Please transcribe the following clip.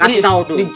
kasih tau dulu